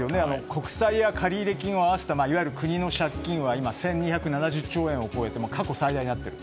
国債や借入金を合わせたいわゆる国の借金は今、１２７０兆円を超えて過去最大になっている。